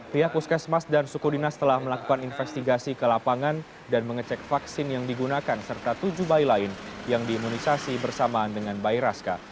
pihak puskesmas dan suku dinas telah melakukan investigasi ke lapangan dan mengecek vaksin yang digunakan serta tujuh bayi lain yang diimunisasi bersamaan dengan bayi raska